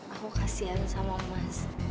aku kasian sama mas